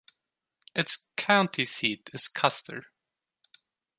Its county seat is Custer.